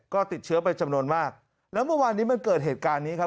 ก็ติดเชื้อไปจำนวนมากแล้วเมื่อวานนี้มันเกิดเหตุการณ์นี้ครับ